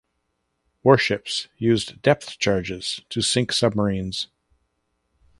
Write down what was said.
Warships used depth charges to sink submarines.